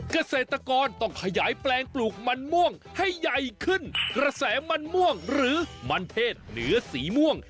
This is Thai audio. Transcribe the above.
เกษตรกรต้องขยายแปลงปลูกมันม่วงให้ใหญ่ขึ้นกระแสมันม่วงหรือมันเทศเหนือสีม่วง